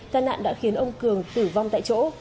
tai nạn đã khiến ông cường tử vong tại chỗ